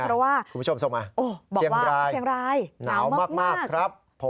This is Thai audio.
เพราะว่าบอกว่าเชียงรายหนาวมากครับ